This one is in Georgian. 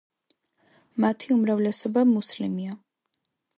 მათი უმრავლესობა მუსლიმია.